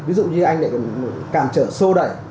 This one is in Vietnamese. ví dụ như anh lại còn cản trở sô đẩy